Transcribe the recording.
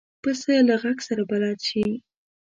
پسه له غږ سره بلد شي.